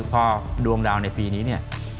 พอดวงดาวในปีนี้เนี่ย